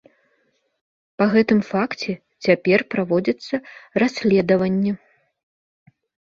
Па гэтым факце цяпер праводзіцца расследаванне.